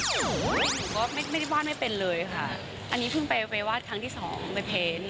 หนูก็ไม่ได้วาดไม่เป็นเลยค่ะอันนี้เพิ่งไปไปวาดครั้งที่สองไปเพ้น